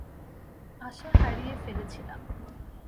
আশা হারিয়ে ফেলেছিলাম।